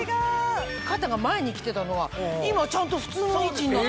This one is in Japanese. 肩が前に来てたのが今ちゃんと普通の位置になってる。